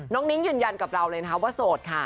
นิ้งยืนยันกับเราเลยนะคะว่าโสดค่ะ